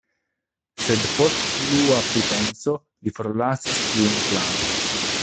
Sed post plua pripenso li forlasis tiun planon.